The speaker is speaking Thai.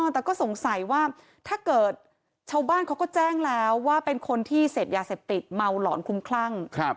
แต่ก็สงสัยว่าถ้าเกิดชาวบ้านเขาก็แจ้งแล้วว่าเป็นคนที่เสพยาเสพติดเมาหลอนคุ้มคลั่ง